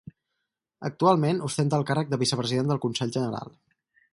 Actualment ostenta el càrrec de vicepresident del Consell General.